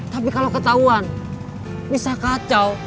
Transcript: tapi kalo ketauan bisa kacau